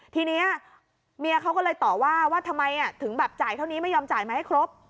ทีนี้เมียเขาก็เลยต่อว่าว่าทำไมถึงแบบจ่ายเท่านี้ไม่ยอมจ่ายมาให้ครบ